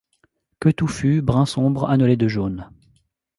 Queue touffue brun sombre annelée de jaune.